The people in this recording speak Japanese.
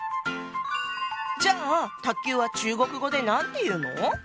じゃあ卓球は中国語で何て言うの？